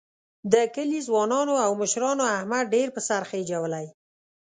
د کلي ځوانانو او مشرانو احمد ډېر په سر خېجولی.